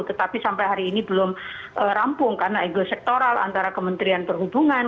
tetapi sampai hari ini belum rampung karena ego sektoral antara kementerian perhubungan